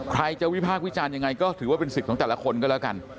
ใครจะวิพากษ์วิจารณ์ยังไงก็ถือว่าเป็นสิทธิ์ของแต่ละคนก็แล้วกัน